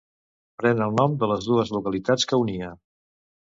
Pren el nom de les dues localitats que unia.